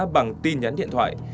bằng tin nhắn điện thoại